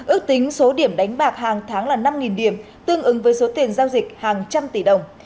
ước tính số điểm đánh bạc hàng tháng là năm điểm tương ứng với số tiền giao dịch hàng trăm tỷ đồng